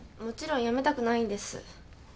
もちろん辞めたくないんです。